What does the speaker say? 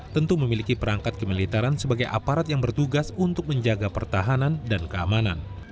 tentu memiliki perangkat kemiliteran sebagai aparat yang bertugas untuk menjaga pertahanan dan keamanan